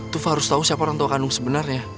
tufa harus tahu siapa orang tua kandung sebenarnya